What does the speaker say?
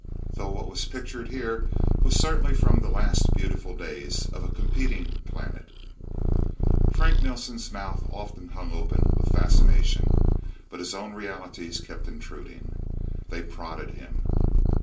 Though what was pictured here was certainly from the last beautiful days of a competing planet. Frank Nelsen's mouth often hung open with fascination. But his own realities kept intruding. They prodded him.